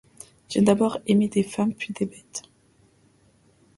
J’ai d’abord aimé des femmes, puis des bêtes.